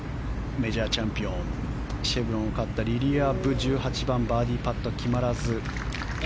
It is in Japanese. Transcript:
メジャーチャンピオンシェブロンを勝ったリリア・ブ、１８番バーディーパット決まらず。